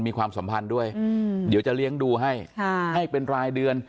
ความสัมพันธ์ด้วยเดี๋ยวจะเลี้ยงดูให้ให้เป็นรายเดือน